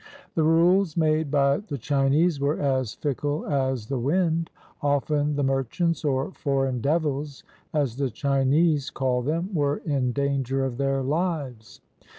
The rules made by the Chinese were as fickle as the wind. Often the mer chants, or "foreign devils," as the Chinese called them, were in danger of their lives.